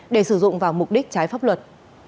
để sử dụng vào mục đích trái pháp luật